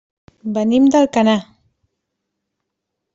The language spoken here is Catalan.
Venim d'Alcanar.